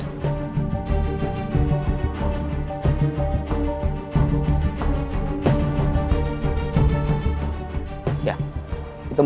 untuk menjaga keindahan